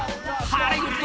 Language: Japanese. はい。